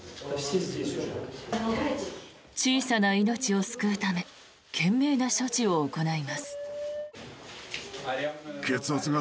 小さな命を救うため懸命な処置を行います。